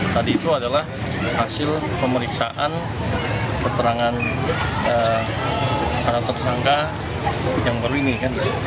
tadi itu adalah hasil pemeriksaan keterangan para tersangka yang baru ini kan